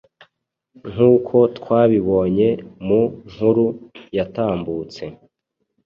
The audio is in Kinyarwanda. Nkuko twabibonye mu nkuru yatambutse